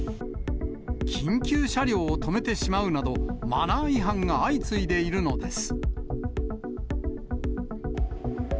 緊急車両を止めてしまうなど、マナー違反が相次いでいるのです。